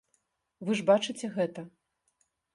Вы ж бачыце гэта?